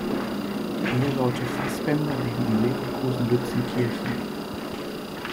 Die Eheleute Faßbender leben in Leverkusen-Lützenkirchen.